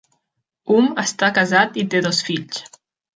Hum està casat i té dos fills.